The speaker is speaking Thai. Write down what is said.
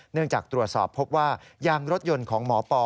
เนื่องจากตรวจสอบพบว่ายางรถยนต์ของหมอปอ